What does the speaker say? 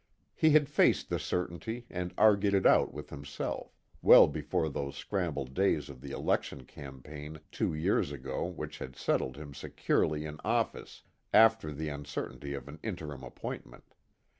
He had faced the certainty and argued it out with himself, well before those scrambled days of the election campaign two years ago which had settled him securely in office after the uncertainty of an interim appointment.